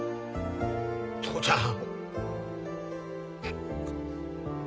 父ちゃん。